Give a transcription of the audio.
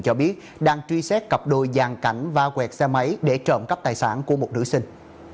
cho biết đang truy xét cặp đôi giàn cảnh va quẹt xe máy để trộm cắp tài sản của một nữ sinh